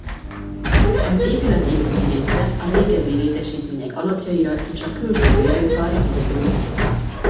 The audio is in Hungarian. Az épület északi része régebbi létesítmények alapjaira és a külső védőfalra épült.